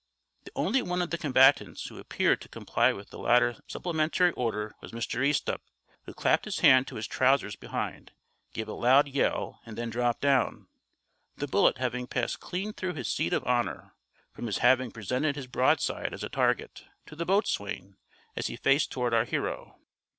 The only one of the combatants who appeared to comply with the latter supplementary order was Mr. Easthupp, who clapped his hand to his trousers behind, gave a loud yell, and then dropped down, the bullet having passed clean through his seat of honour, from his having presented his broadside as a target to the boatswain as he faced toward our hero.